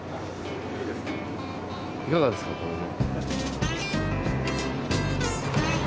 いかがですかこれで。